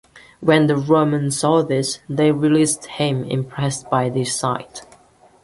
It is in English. When the Romans saw this, they released him, impressed by this sight.